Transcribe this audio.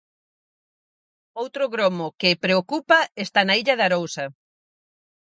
Outro gromo que preocupa está na Illa de Arousa.